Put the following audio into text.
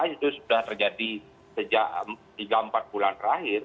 itu sudah terjadi sejak tiga empat bulan terakhir